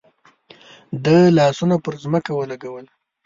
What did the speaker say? ده لاسونه پر ځمکه ولګول.